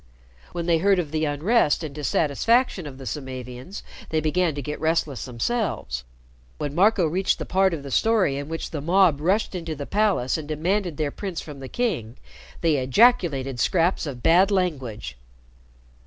When they heard of the unrest and dissatisfaction of the Samavians, they began to get restless themselves. When Marco reached the part of the story in which the mob rushed into the palace and demanded their prince from the king, they ejaculated scraps of bad language.